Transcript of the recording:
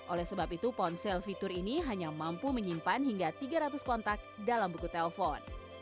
oleh sebab itu ponsel fitur ini hanya mampu menyimpan hingga tiga ratus kontak dalam buku telpon